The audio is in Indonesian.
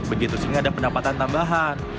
begitu sehingga ada pendapatan tambahan